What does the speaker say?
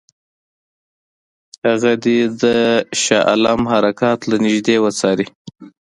هغه دې د شاه عالم حرکات له نیژدې وڅاري.